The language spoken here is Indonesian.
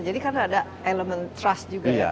jadi kan ada elemen trust juga ya